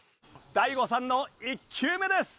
大悟さんの１球目です。